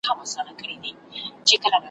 دی یې تش له لوی اوازه وېرېدلی `